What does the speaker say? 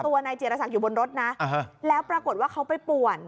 นายจีรศักดิ์อยู่บนรถนะแล้วปรากฏว่าเขาไปป่วน